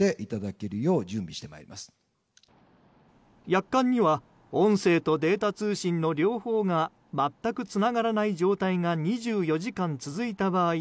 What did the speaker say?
約款には音声とデータ通信の両方が全くつながらない状態が２４時間続いた場合